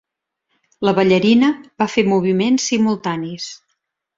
La ballarina va fer moviments simultanis.